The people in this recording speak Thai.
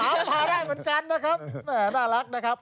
พาได้เหมือนกันนะครับน่ารักนะครับ